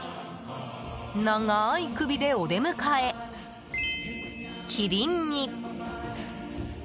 長い首でお出迎え、キリンに。